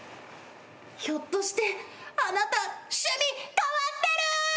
ひょっとしてあなた趣味変わってる！